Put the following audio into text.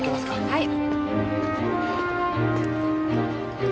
はい。